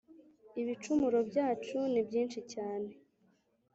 ibicumuro byacu ni byinshi cyane